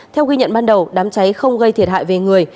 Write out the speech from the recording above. theo ghi nhận ban đầu đám cháy không gây thiệt hại về người